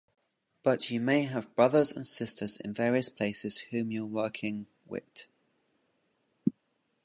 But you may have brothers and sisters in various places whom you're working wit.